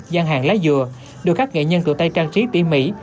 gian hàng lá dừa được các nghệ nhân tựa tay trang trí tỉ mỉ